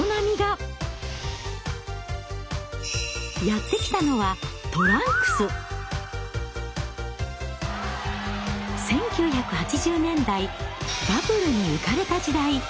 やって来たのは１９８０年代バブルに浮かれた時代。